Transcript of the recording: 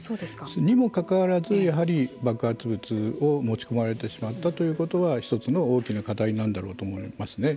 にもかかわらず爆発物を持ち込まれてしまったということは１つの大きな課題なんだろうと思いますね。